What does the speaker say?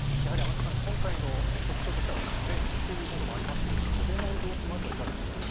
今回の特徴としては風ということもありますが風の様子、まずはいかがですか。